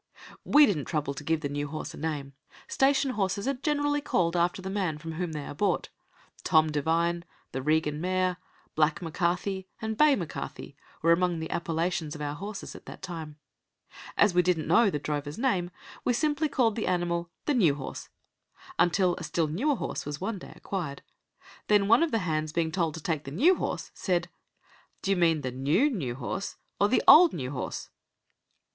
We didn't trouble to give the new horse a name. Station horses are generally called after the man from whom they are bought. "Tom Devine", "The Regan mare", "Black M'Carthy" and "Bay M'Carthy" were among the appellations of our horses at that time. As we didn't know the drover's name, we simply called the animal "The new horse" until a still newer horse was one day acquired. Then, one of the hands being told to take the new horse, said, "D'yer mean the new new horse or the old new horse?"